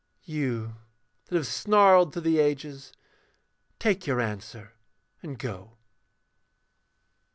You that have snarled through the ages, take your answer and go.